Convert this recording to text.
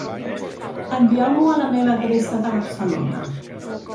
Envieu-m'ho a la meva adreça de Barcelona.